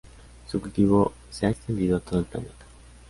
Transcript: Su cultivo se ha extendido a todo el planeta.